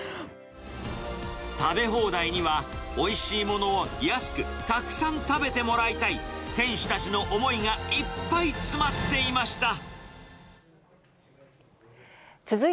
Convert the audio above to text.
うん、を安く、たくさん食べてもらいたい、店主たちの思いがいっぱい詰まっていました。